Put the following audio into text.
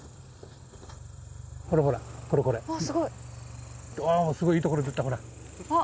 ほらほらこれこれすごいあすごいいいところ出たほらあっ